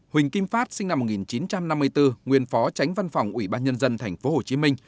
huỳnh kim phát sinh năm một nghìn chín trăm năm mươi bốn nguyên phó tránh văn phòng ủy ban nhân dân tp hcm